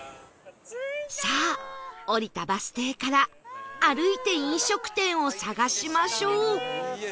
さあ降りたバス停から歩いて飲食店を探しましょう